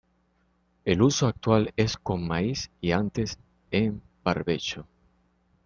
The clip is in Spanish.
El uso actual es con maíz y antes en barbecho.